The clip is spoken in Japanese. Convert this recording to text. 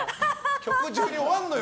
曲中に終わるのよ